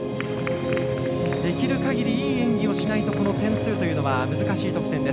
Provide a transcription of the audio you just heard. できるかぎりいい演技をしないとこの点数というのは難しい得点。